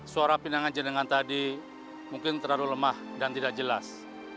suara pinangan jenengan tadi mungkin terlalu lemah dan tidak jelas